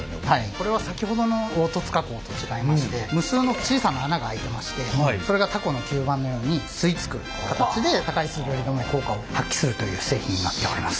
これは先ほどの凹凸加工と違いまして無数の小さな穴が開いてましてそれがタコの吸盤のように吸い付く形で高いすべり止め効果を発揮するという製品になっております。